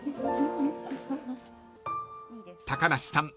［高梨さん